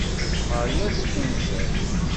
Marie ad teffunzer.